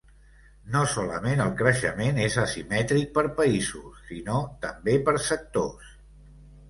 No solament el creixement és asimètric per països, sinó també per sectors.